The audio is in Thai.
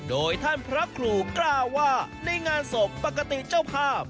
โดยท่านพระครูกล้าว่าในงานศพปกติเจ้าภาพ